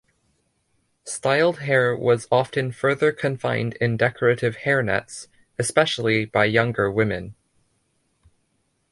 Styled hair was often further confined in decorative hairnets, especially by younger women.